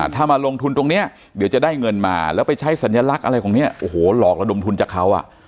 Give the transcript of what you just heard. ถ้ามาลงทุนตรงนี้เดี๋ยวจะได้เงินมาแล้วไปใช้สัญลักษณ์อะไรของเนี่ยโอ้โหหลอกระดมทุนจากเขา